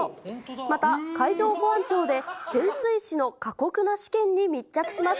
また、海上保安庁で潜水士の過酷な試験に密着します。